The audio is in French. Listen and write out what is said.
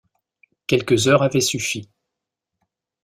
Quelques heures avaient suffi.